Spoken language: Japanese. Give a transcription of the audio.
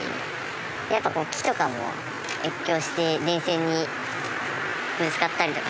やっぱこう木とかも越境して電線にぶつかったりとかしてるので。